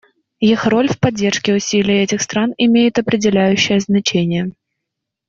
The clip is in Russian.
Их роль в поддержке усилий этих стран имеет определяющее значение.